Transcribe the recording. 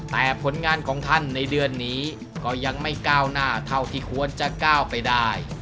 แต่ผลงานของท่านในเดือนนี้ก็ยังไม่ก้าวหน้าเท่าที่ควรจะก้าวไปได้